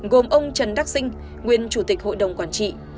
gồm ông trần đắc sinh nguyên chủ tịch hội đồng quản trị